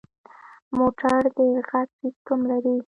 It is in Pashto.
موټر د غږ سیسټم لري.